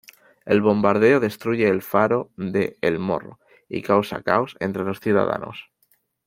El bombardeo destruye el faro de El Morro y causa caos entre los ciudadanos.